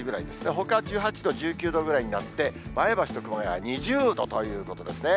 ほか１８度、１９度ぐらいになって、前橋と熊谷２０度ということですね。